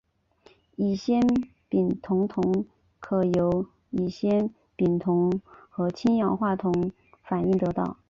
乙酰丙酮铜可由乙酰丙酮和氢氧化铜反应得到。